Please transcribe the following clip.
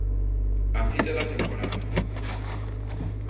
A cita da temporada.